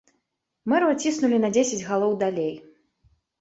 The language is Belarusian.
Мэру адціснулі на дзесяць галоў далей.